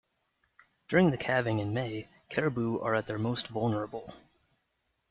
During the calving in May, caribou are at their most vulnerable.